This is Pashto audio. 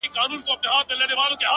د دغه ټپ د رغېدلو کيسه ختمه نه ده”